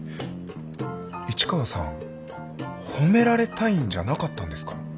市川さん褒められたいんじゃなかったんですか？